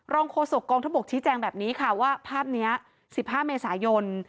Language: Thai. รองโฆษอกองทับบกชี้แจงแบบนี้ค่ะว่าภาพเนี้ยสิบห้าเมษายนต์